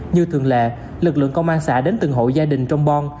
như thường lệ lực lượng công an xã đến từng hộ gia đình trong bon